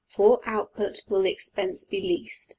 For what output will the expense be least?